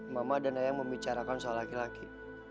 mama dan ayang membicarakan soal laki laki